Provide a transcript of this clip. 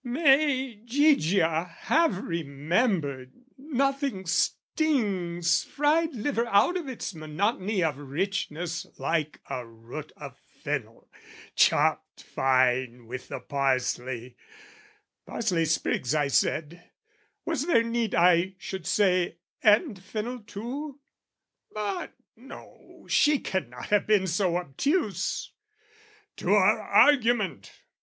May Gigia have remembered, nothing stings Fried liver out of its monotony Of richness like a root of fennel, chopped Fine with the parsley: parsley sprigs, I said Was there need I should say "and fennel too?" But no, she cannot have been so obtuse! To our argument!